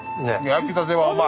・焼きたてはうまい。